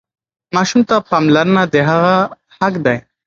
ماسوم ته پاملرنه د هغه حق دی.